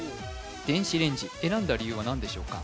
電子レンジ選んだ理由は何でしょうか？